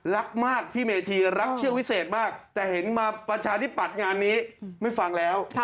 รักมากพี่เมธีรักเชื่อวิเศษมากแต่เห็นมาประชาธิปัตย์งานนี้ไม่ฟังแล้ว